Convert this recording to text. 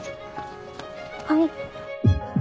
はい。